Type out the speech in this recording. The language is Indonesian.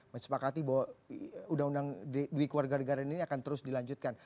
mensepakati bahwa undang undang duit keluarga negara ini akan terus dilanjutkan